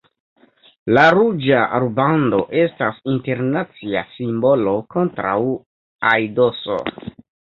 La ruĝa rubando estas internacia simbolo kontraŭ aidoso.